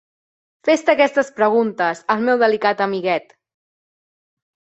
Fes-te aquestes preguntes, el meu delicat amiguet!